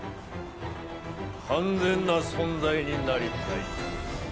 完全な存在になりたいのだ。